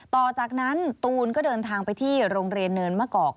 ต่อจากนั้นตูนก็เดินทางไปที่โรงเรียนเนินมะกอก